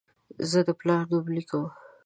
زه د پلار نوم لیکم.